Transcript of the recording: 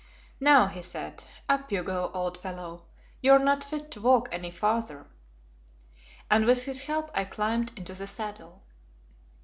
"Now," he said, "up you go, old fellow. You are not fit to walk any farther;" and with his help I climbed into the saddle.